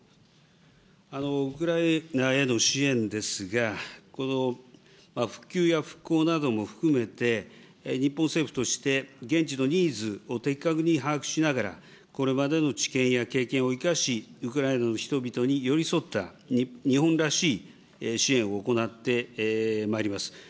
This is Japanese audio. ウクライナへの支援ですが、この復旧や復興なども含めて、日本政府として現地のニーズを的確に把握しながら、これまでの知見や経験を生かし、ウクライナの人々に寄り添った、日本らしい支援を行ってまいります。